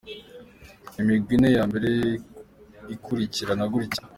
Imigwi ine ya mbere ikurikirana gutya: .